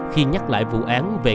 khi nhắc lại vụ án về